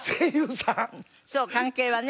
そう関係はね